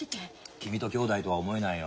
君と姉妹とは思えないよ。